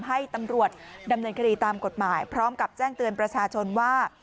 ให้ตำรวจดำเนินคดีตามกฎหมายพร้อมกับแจ้งเตือนประชาชนว่า